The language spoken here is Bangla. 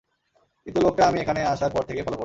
কিন্তু লোকটা আমি এখানে আসার পর থেকেই ফলো করছে।